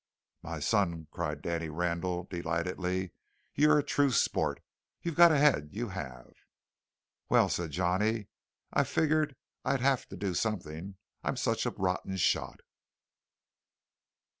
"My son," cried Danny Randall delightedly, "you're a true sport. You've got a head, you have!" "Well," said Johnny, "I figured I'd have to do something; I'm such a rotten shot."